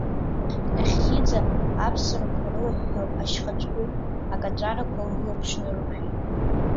Нахьхьиӡа, аԥсарақәа ирылыҳәҳәо ашьхацәҳәы акаҵәарақәа лылаԥш нарықәшәеит.